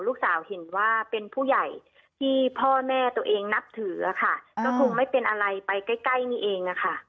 เห็นว่าเป็นผู้ใหญ่ที่พ่อแม่ตัวเองนับถือค่ะก็คงไม่เป็นอะไรไปใกล้นี่เองอะค่ะ